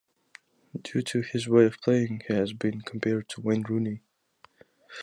Due to his way of playing, he has been compared to Wayne Rooney.